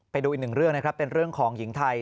ไปดูอีกหนึ่งเรื่องนะครับเป็นเรื่องของหญิงไทย